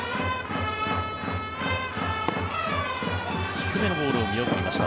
低めのボールを見送りました